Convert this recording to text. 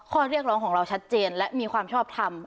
ข้อเรียกร้องของเราชัดเจนและมีความชอบทำ